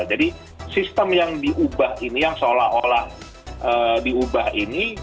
jadi sistem yang diubah ini yang seolah olah diubah ini